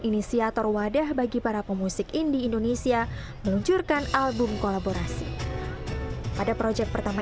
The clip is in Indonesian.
inisiator wadah bagi para pemusik indi indonesia meluncurkan album kolaborasi pada proyek pertama